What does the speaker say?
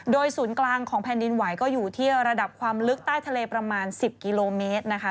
โดยศูนย์กลางของแผ่นดินไหวก็อยู่ที่ระดับความลึกใต้ทะเลประมาณ๑๐กิโลเมตรนะคะ